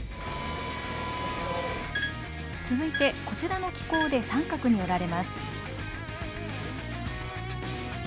続いてこちらの機構で三角に折られます。